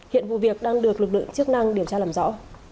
hiện vụ việc đang được lực lượng chức năng điều tra làm rõ